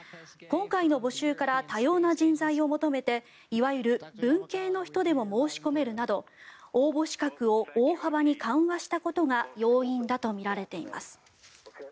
今回の募集から多様な人材を求めていわゆる文系の人でも申し込めるなど応募資格を大幅に緩和したことが要因だとみられています。